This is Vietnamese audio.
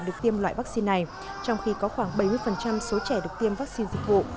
được tiêm loại vaccine này trong khi có khoảng bảy mươi số trẻ được tiêm vaccine dịch vụ